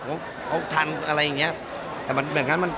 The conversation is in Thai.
เขาทันอะไรอย่างเงี้ย